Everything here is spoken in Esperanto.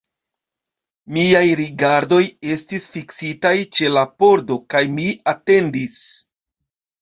Miaj rigardoj estis fiksitaj ĉe la pordo, kaj mi atendis.